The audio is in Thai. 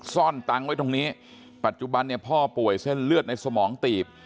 ซ่อนตังค์ไว้ตรงนี้ปัจจุบันเนี่ยพ่อป่วยเส้นเลือดในสมองตีบ